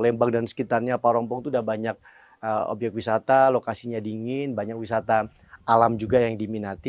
lembang dan sekitarnya parompong itu sudah banyak obyek wisata lokasinya dingin banyak wisata alam juga yang diminati